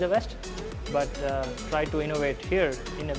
dan mencoba untuk meninnovasi di sini